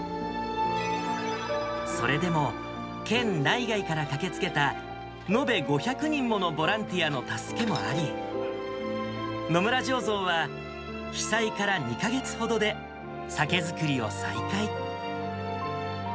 それでも、県内外から駆けつけた延べ５００人ものボランティアの助けもあり、野村醸造は、被災から２か月ほどで酒造りを再開。